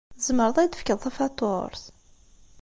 Tzemreḍ ad iyi-d-tefkeḍ tafatuṛt?